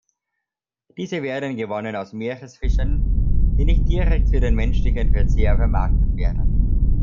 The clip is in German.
Diese werden gewonnen aus Meeresfischen, die nicht direkt für den menschlichen Verzehr vermarktet werden.